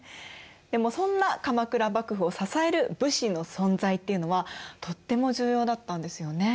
でもそんな鎌倉幕府を支える武士の存在っていうのはとっても重要だったんですよね。